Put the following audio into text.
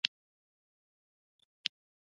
مصنوعي ځیرکتیا د نړیوال تعامل بڼه بدلوي.